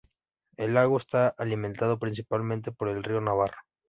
El lago está alimentado principalmente por el río Navarro.